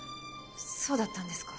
そうだったんですか。